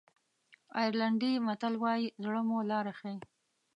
آیرلېنډي متل وایي زړه مو لاره ښیي.